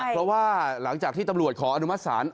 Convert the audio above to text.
เพราะว่าหลังจากที่ตำรวจขออนุมัติศาล